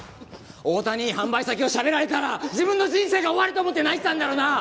大田に販売先をしゃべられたら自分の人生が終わると思って泣いてたんだろ？なあ？